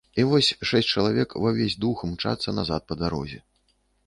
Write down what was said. І вось шэсць чалавек ва ўвесь дух імчацца назад па дарозе.